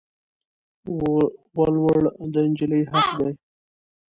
ولوړ د انجلی حق دي